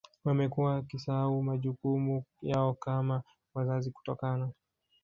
Wamekuwa wakisahau majukumu yao kama wazazi kutokana